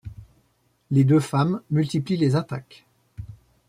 Les deux femmes multiplient les attaques.